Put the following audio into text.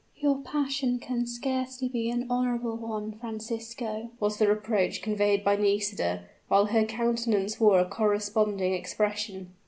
"Your passion can scarcely be an honorable one, Francisco," was the reproach conveyed by Nisida, while her countenance wore a corresponding expression.